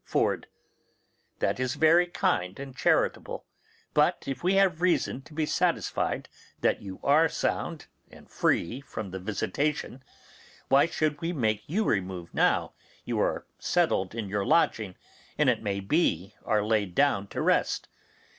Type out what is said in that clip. Ford. That is very kind and charitable; but if we have reason to be satisfied that you are sound and free from the visitation, why should we make you remove now you are settled in your lodging, and, it may be, are laid down to rest?